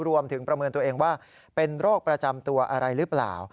ประเมินตัวเองว่าเป็นโรคประจำตัวอะไรหรือเปล่า